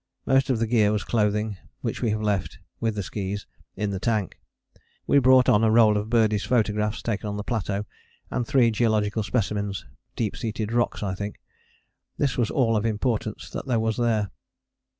Most of the gear was clothing, which we have left, with the skis, in the tank. We brought on a roll of Birdie's photographs, taken on the plateau, and three geological specimens: deep seated rocks I think. This was all of importance that there was there.